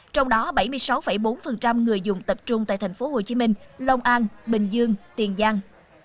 trong đó bảy mươi sáu bốn người dùng tập trung tại tp hcm lòng an bình dương tiền giang